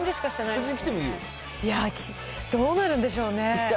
いやー、どうなるんでしょうね。